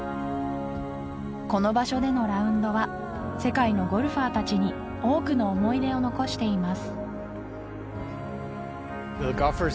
この場所でのラウンドは世界のゴルファー達に多くの思い出を残しています